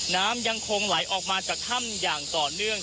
น้ำยังคงไหลออกมาจากถ้ำอย่างต่อเนื่อง